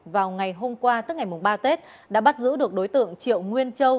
vào ngày hôm qua tức ngày ba tết đã bắt giữ được đối tượng triệu nguyên châu